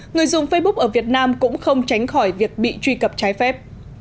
người dùng facebook ở việt nam cũng không tránh khỏi việc bị truy cập trái phép